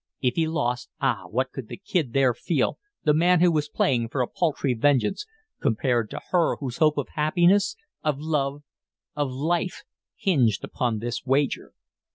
If he lost, ah! what could the Kid there feel, the man who was playing for a paltry vengeance, compared to her whose hope of happiness, of love, of life hinged on this wager?